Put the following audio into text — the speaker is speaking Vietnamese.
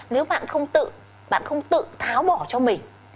nếu bạn không tự bạn không tự tháo bỏ cho mình